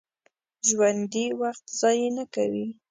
ژوندي وخت ضایع نه کوي